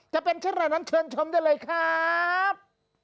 จะเป็นเช่นอะไรนั้นเชิญชมได้เลยครับ